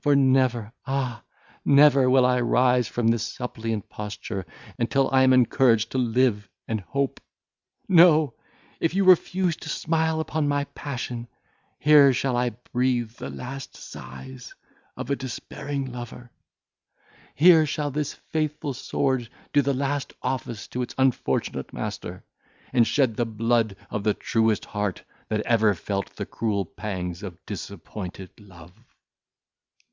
for never, ah! never will I rise from this suppliant posture, until I am encouraged to live and hope. No! if you refuse to smile upon my passion, here shall I breathe the last sighs of a despairing lover; here shall this faithful sword do the last office to its unfortunate master, and shed the blood of the truest heart that ever felt the cruel pangs of disappointed love."